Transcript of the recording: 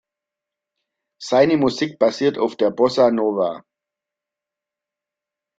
Seine Musik basiert auf der Bossa Nova.